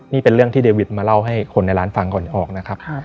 นี่เป็นเรื่องที่เดวิทมาเล่าให้คนในร้านฟังก่อนออกนะครับ